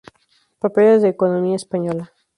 Papeles de Economía Española.